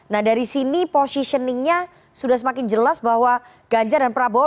nah dari sini positioningnya sudah semakin jelas bahwa ganjar dan prabowo